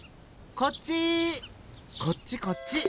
こっちこっち！